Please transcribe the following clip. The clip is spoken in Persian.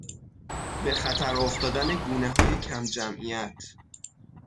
به خطر افتادن گونههای کمجمعیت